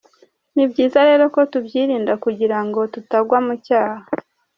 Ni byiza rero ko tubyirinda kugirango tutagwa mu cyaha.